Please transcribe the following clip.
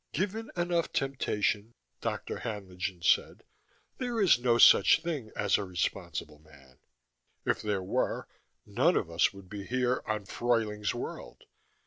"Given enough temptation," Dr. Haenlingen said, "there is no such thing as a responsible man. If there were, none of us would be here, on Fruyling's World.